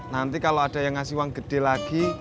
nanti kalau ada yang ngasih uang gede lagi